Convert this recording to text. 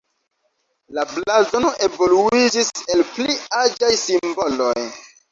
La blazono evoluiĝis el pli aĝaj simboloj.